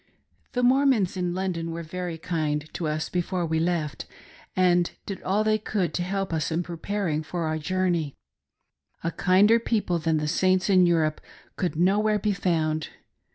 The Mormons in London were very kind to us before we left and did all they could to help us in preparing for our journey. A kinder people than the Saints in Europe could no where be found.